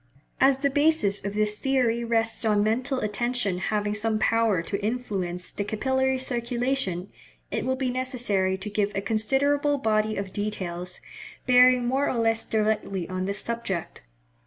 As the basis of this theory rests on mental attention having some power to influence the capillary circulation, it will be necessary to give a considerable body of details, bearing more or less directly on this subject.